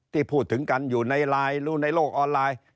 ที่พูดถึงกันอยู่ในไลน์รู้ในโลกออนไลน์